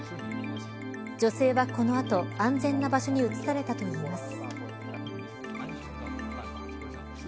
女性はこの後安全な場所に移されたといいます。